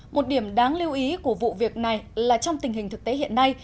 một điểm đáng lưu ý của vụ việc này là trong tình hình thực tế hiện nay